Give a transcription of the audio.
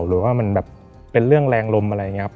หรือว่ามันแบบเป็นเรื่องแรงลมอะไรอย่างนี้ครับ